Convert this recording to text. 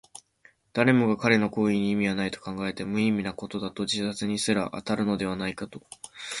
誰もが彼の行為に意味はないと考えた。無意味なことだと、自殺にすら当たるのではないかと。